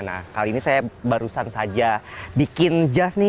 nah kali ini saya barusan saja bikin jas nih